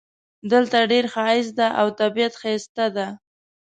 دلته ډېر ښایست ده او طبیعت ښایسته ده